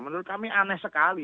menurut kami aneh sekali